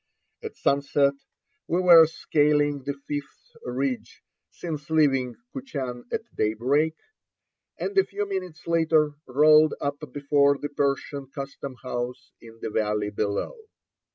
At sunset we were scaling the fifth ridge since leaving Kuchan at daybreak, and a few minutes later rolled up before the Persian custom house in the valley below.